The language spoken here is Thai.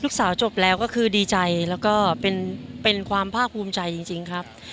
จบแล้วก็คือดีใจแล้วก็เป็นความภาคภูมิใจจริงครับ